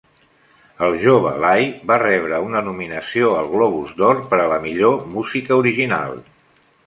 El jove Lai va rebre una nominació al Globus d'Or per a la Millor música original.